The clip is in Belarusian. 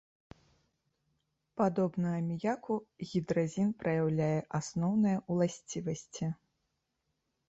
Падобна аміяку гідразін праяўляе асноўныя ўласцівасці.